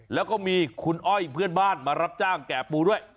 แล้วก็มีคุณอ้อยเพื่อนบ้านมารับจ้างแก่ปูด้วย